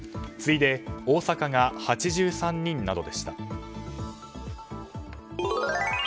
次いで大阪が８３人などでした。